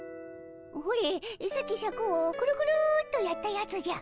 ほれさっきシャクをクルクルッとやったやつじゃ。